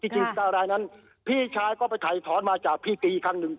จริง๙รายนั้นพี่ชายก็ไปถ่ายถอนมาจากพี่ตีอีกครั้งหนึ่ง